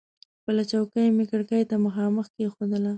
خپله چوکۍ مې کړکۍ ته مخامخ کېښودله.